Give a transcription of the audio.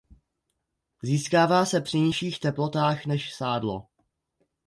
Získává se při nižších teplotách než sádlo.